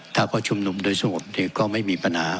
ถ้าเขาชุมนุมโดยสงบก็ไม่มีปัญหา